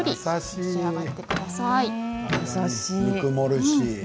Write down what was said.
ぬくもるし。